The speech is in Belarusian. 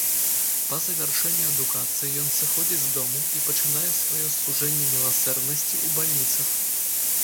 Па завяршэнні адукацыі ён сыходзіць з дому, і пачынае сваё служэнне міласэрнасці ў бальніцах.